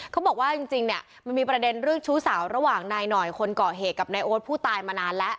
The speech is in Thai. เขาบอกว่าจริงเนี่ยมันมีประเด็นเรื่องชู้สาวระหว่างนายหน่อยคนก่อเหตุกับนายโอ๊ตผู้ตายมานานแล้ว